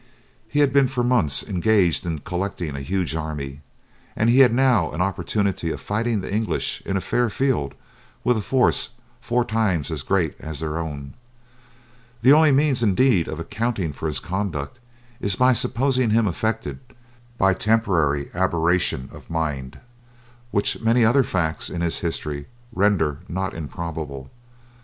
He had been for months engaged in collecting a huge army, and he had now an opportunity of fighting the English in a fair field with a force four times as great as their own. The only means indeed of accounting for his conduct is by supposing him affected by temporary aberration of mind, which many other facts in his history render not improbable.